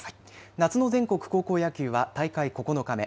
夏の全国高校野球は大会９日目。